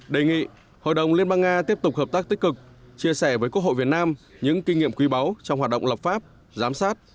đề nghị hội đồng liên bang nga tiếp tục hợp tác tích cực chia sẻ với quốc hội việt nam những kinh nghiệm quý báu trong hoạt động lập pháp giám sát